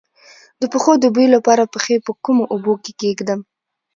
د پښو د بوی لپاره پښې په کومو اوبو کې کیږدم؟